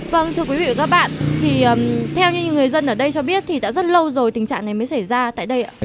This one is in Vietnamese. vâng thưa quý vị và các bạn thì theo như người dân ở đây cho biết thì đã rất lâu rồi tình trạng này mới xảy ra tại đây ạ